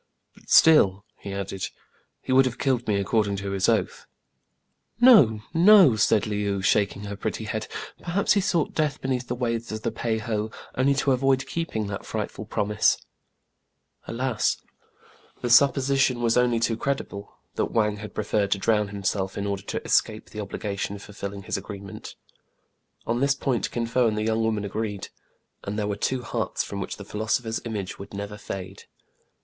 " But still," he added, vhe would have killed me according to his oath.'* " No, no !" said Le ou, shaking her pretty head : "perhaps he sought death beneath the waves of the Pei ho, only to avoid keeping that frightful promise." Alas ! the supposition was only too credible, that Wang had preferred to drown himself in order to escape the obligation of fulfilling his agreement. On this point Kin Fo and the young woman agreed ; and there were two hearts from which the philosopher's image would never fade.